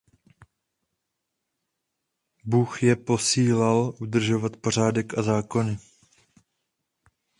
Bůh je posílal udržovat pořádek a zákony.